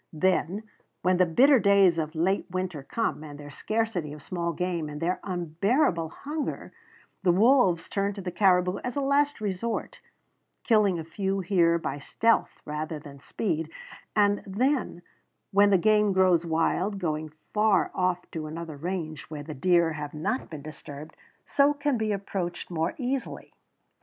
Then when the bitter days of late winter come, with their scarcity of small game and their unbearable hunger, the wolves turn to the caribou as a last resort, killing a few here by stealth, rather than speed, and then, when the game grows wild, going far off to another range where the deer have not been disturbed and so can be approached more easily.